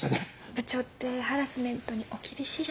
部長ってハラスメントにお厳しいじゃないですか。